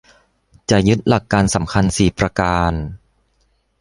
จะยึดหลักการสำคัญสี่ประการ